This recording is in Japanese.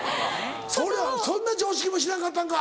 そんな常識も知らんかったんか。